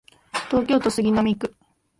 東京都杉並区